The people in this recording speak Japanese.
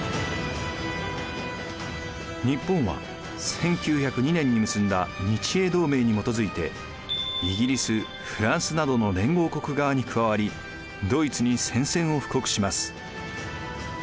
日本は１９０２年に結んだ日英同盟に基づいてイギリス・フランスなどの連合国側に加わりドイツに宣戦を布告します。